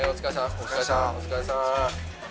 お疲れさん。